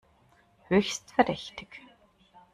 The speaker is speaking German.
Höchst verdächtig!